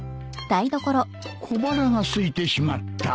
小腹がすいてしまった。